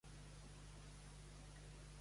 Vull jugar a futbol.